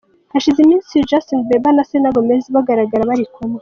Hashize iminsi Justin Bieber na selena Gomez bagaragara bari kumwe.